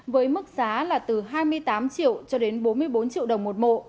với mức giá là từ hai mươi tám triệu cho đến bốn mươi bốn triệu đồng một mộ